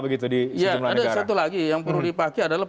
ada satu lagi yang perlu dipakai adalah